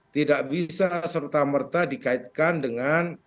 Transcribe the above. tidak bisa serta merta dikaitkan dengan